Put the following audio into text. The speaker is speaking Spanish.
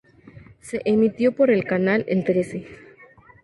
Se emitió por el canal El Trece.